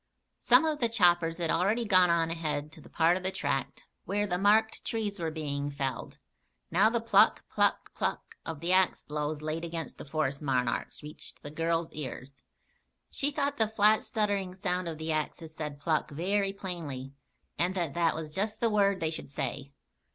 Some of the choppers had already gone on ahead to the part of the tract where the marked trees were being felled. Now the pluck, pluck, pluck of the axe blows laid against the forest monarchs, reached the girl's ears. She thought the flat stuttering sound of the axes said "pluck" very plainly, and that that was just the word they should say.